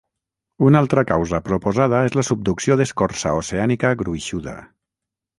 Una altra causa proposada és la subducció d'escorça oceànica gruixuda.